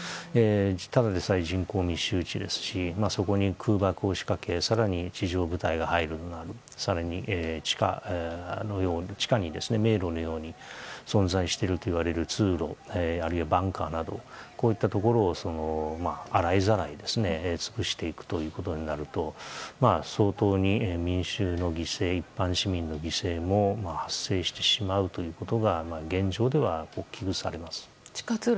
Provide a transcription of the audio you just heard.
ただでさえ人口密集地ですしそこに空爆を仕掛け更に地上部隊が入るとなって更に、地下に迷路のように存在しているといわれる通路あるいはバンカーなどといったところを洗いざらい見つくしていくということになると相当に民衆の犠牲、一般市民の犠牲も発生してしまうことが現状では危惧されます。